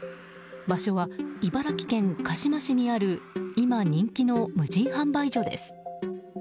場所は茨城県鹿嶋市にある今、人気の無人販売所です。